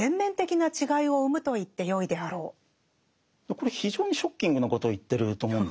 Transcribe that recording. これ非常にショッキングなことを言ってると思うんですね。